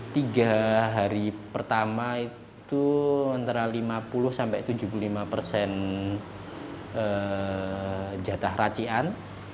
tiga hari pertama itu antara lima puluh sampai tujuh puluh lima persen jatah racian